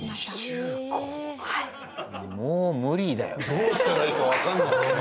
どうしたらいいかわかんないですね。